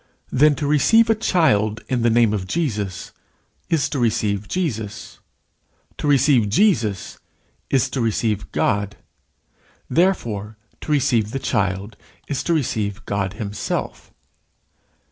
Then to receive a child in the name of Jesus is to receive Jesus; to receive Jesus is to receive God; therefore to receive the child is to receive God himself.